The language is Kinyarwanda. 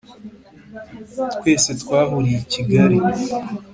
Twese twahuriye I Kigali